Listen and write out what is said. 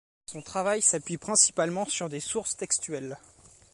Son travail s'appuie principalement sur des sources textuelles.